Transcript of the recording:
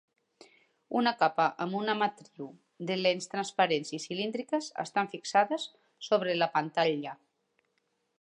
Una capa amb una matriu de lents transparents i cilíndriques estan fixades sobre la pantalla.